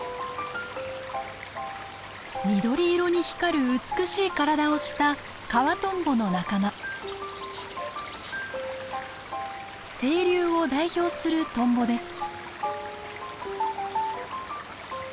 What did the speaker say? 緑色に光る美しい体をした清流を代表するトンボです。